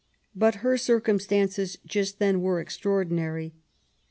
But her circumstances just then were extraordinary.